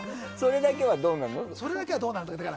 それだけは、どうなの？